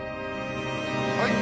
はい！